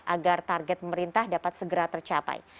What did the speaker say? agar target pemerintah dapat segera tercapai